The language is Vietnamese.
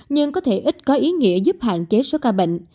nhưng có thể ít có ý nghĩa giúp hạn chế số ca bệnh